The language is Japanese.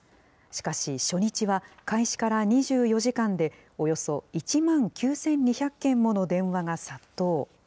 しかし初日は、開始から２４時間でおよそ１万９２００件もの電話が殺到。